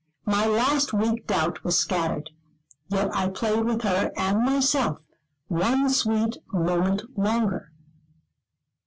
My last weak doubt was scattered; yet I played with her and myself, one sweet moment longer.